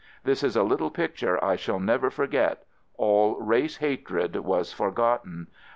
That is a little picture I shall never forget — all race hatred was forgotten.